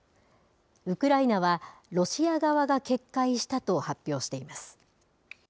ウクライナは、ロシア側が決壊したと発表しています。